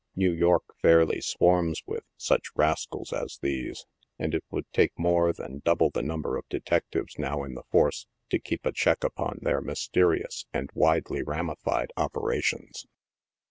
New York fairly swarms with such rascals as these, and it would take more than double the number of detectives now in the force to keep a check upon their mysterious and widely ramified operations.